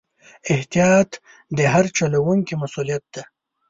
احتیاط د هر چلوونکي مسؤلیت دی.